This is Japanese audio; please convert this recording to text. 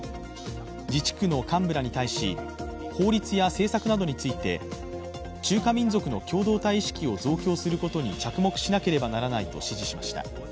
自治区の幹部らに対し、法律や政策などについて中華民族の共同体意識を増強することに着目しなければならないと指示しました。